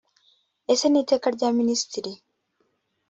ese ni iteka rya minisitiri ?